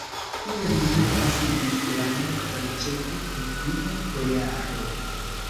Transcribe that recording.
Iam mi pasigis la nokton ĉe vi kun mia bojaro.